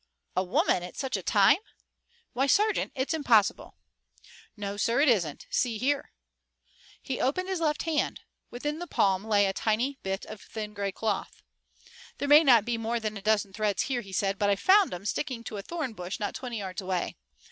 "A woman at such a time? Why, sergeant, it's impossible!" "No, sir, it isn't. See here!" He opened his left hand. Within the palm lay a tiny bit of thin gray cloth. "There may not be more than a dozen threads here," he said, "but I found 'em sticking to a thorn bush not twenty yards away.